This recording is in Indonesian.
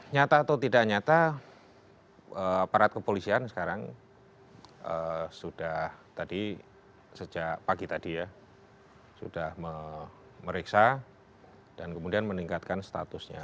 nyata atau tidak nyata aparat kepolisian sekarang sudah tadi sejak pagi tadi ya sudah meriksa dan kemudian meningkatkan statusnya